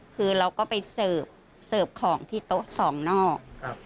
คือเราก็ไปเสิร์ฟเสิร์ฟของที่โต๊ะ๒นอก